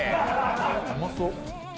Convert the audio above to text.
うまそう！